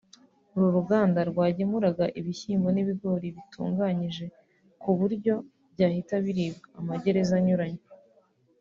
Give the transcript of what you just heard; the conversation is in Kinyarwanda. uru ruganda rwagemuriga ibishyimbo n’ibigori bitunganyije ku buryo byahita biribwa amagereza anyuranye